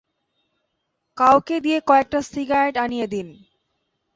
কাউকে দিয়ে কয়েকটা সিগারেট আনিয়ে দিন।